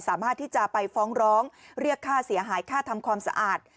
สามารถที่จะไปฟ้องร้องเรียกค่าเสียหายค่าทำความสะอาด